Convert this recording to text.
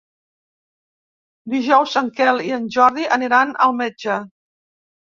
Dijous en Quel i en Jordi aniran al metge.